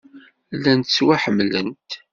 Llant ttwaḥemmlent.